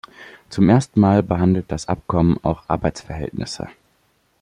Zum ersten Mal behandelt das Abkommen auch Arbeitsverhältnisse.